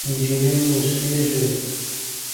نجلۍ موسېږي…